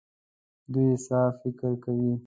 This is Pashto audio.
دوی ساده فکر کوي.